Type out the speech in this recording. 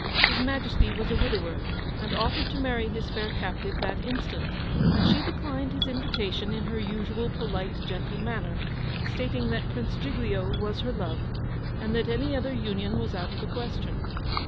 His Majesty was a widower, and offered to marry his fair captive that instant, but she declined his invitation in her usual polite gentle manner, stating that Prince Giglio was her love, and that any other union was out of the question.